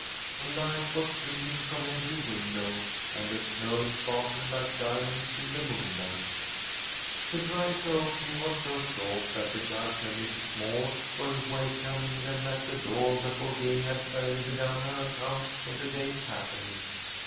A light was streaming from every window, and the snow sparkled like diamonds in the moonlight. The drive to Oaklea was so short that the Judge and Mrs. Moore were welcoming them at the door before Gay had fairly begun her account of the day's happening.